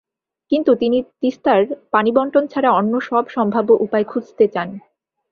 কিন্তু তিনি তিস্তার পানিবণ্টন ছাড়া অন্য সব সম্ভাব্য উপায় খুঁজতে চান।